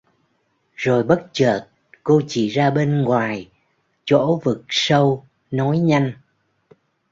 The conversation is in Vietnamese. Rồi bất chợt Cô chỉ ra bên ngoài chỗ vực sâu nói nhanh